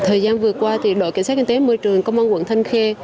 thời gian vừa qua đội cảnh sát kinh tế môi trường công an quận thanh khê